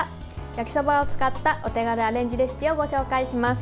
焼きそばを使ったお手軽アレンジレシピをご紹介します。